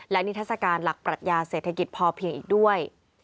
และนิทัศกาลหลักปรัชญาเศรษฐกิจพอเพียงอีกด้วย